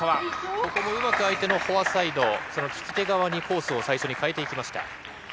ここもうまく相手のフォアサイド、その利き手側にコースを最初に変えていきました。